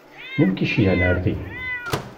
Anwa i k-iceyyɛen ɣer din?